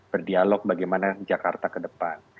berdialog bagaimana jakarta ke depan